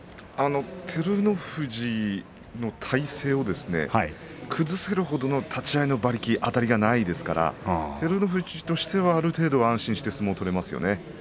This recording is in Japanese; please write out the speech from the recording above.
照ノ富士の体勢を崩せるほどの立ち合いの馬力あたりがないですから照ノ富士としては、ある程度安心して相撲が取れますね。